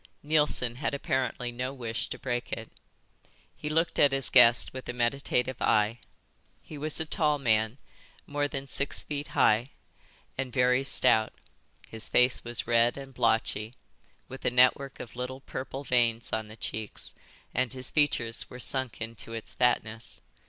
Neilson had apparently no wish to break it. He looked at his guest with a meditative eye. He was a tall man, more than six feet high, and very stout. His face was red and blotchy, with a network of little purple veins on the cheeks, and his features were sunk into its fatness.